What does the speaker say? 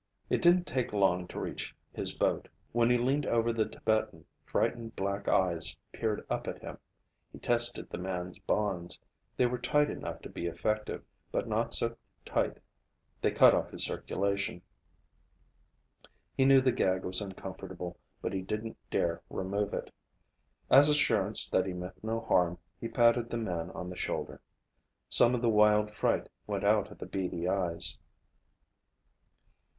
It didn't take long to reach his boat. When he leaned over the Tibetan, frightened black eyes peered up at him. He tested the man's bonds. They were tight enough to be effective, but not so tight they cut off his circulation. He knew the gag was uncomfortable, but he didn't dare remove it. As assurance that he meant no harm, he patted the man on the shoulder. Some of the wild fright went out of the beady eyes.